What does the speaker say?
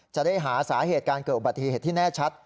จะได้หาสาเหตุการเกิดอุบัติเหตุที่แน่ชัด